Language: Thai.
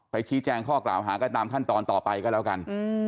ชี้แจงข้อกล่าวหาก็ตามขั้นตอนต่อไปก็แล้วกัน